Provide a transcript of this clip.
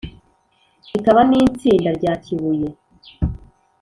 Ikaba n'i Ntsinda rya Kibuye